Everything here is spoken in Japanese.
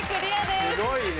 すごいね。